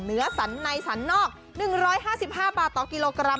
เนื้อสันในสรรนอก๑๕๕บาทต่อกิโลกรัม